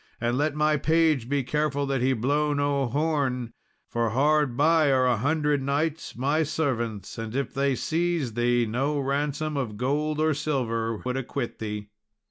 And let my page be careful that he blow no horn, for hard by are a hundred knights, my servants; and if they seize thee, no ransom of gold or silver would acquit thee."